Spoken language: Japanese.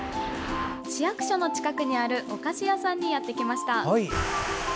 市役所の近くにあるお菓子屋さんにやってきました。